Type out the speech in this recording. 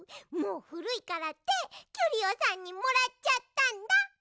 もうふるいからってキュリオさんにもらっちゃったんだ！